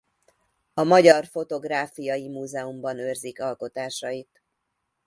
A Magyar Fotográfiai Múzeumban őrzik alkotásait.